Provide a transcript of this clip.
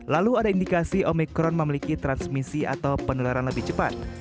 lalu ada indikasi omikron memiliki transmisi atau penularan lebih cepat